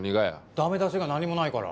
駄目出しが何もないから。